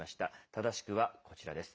正しくはこちらです。